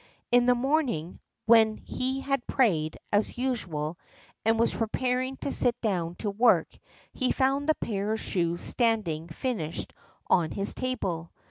In the morning when he had prayed, as usual, and was preparing to sit down to work, he found the pair of shoes standing finished on his table.